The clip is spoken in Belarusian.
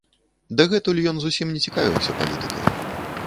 Дагэтуль ён зусім не цікавіўся палітыкай.